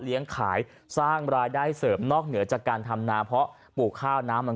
ขายสร้างรายได้เสริมนอกเหนือจากการทำนาเพราะปลูกข้าวน้ำมัน